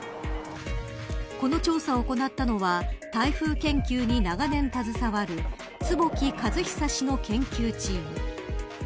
この調査を行ったのは台風研究に長年携わる坪木和久氏の研究チーム。